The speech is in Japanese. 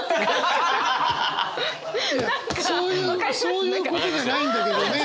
そういうことじゃないんだけどね。